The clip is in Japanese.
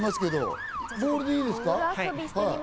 ボールでいいですか？